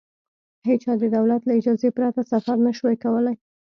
هېچا د دولت له اجازې پرته سفر نه شوای کولای.